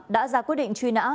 đã ra quyết định truy nã